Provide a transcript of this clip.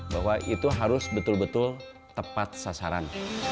bahwa itu harus betul betul tepat sasaran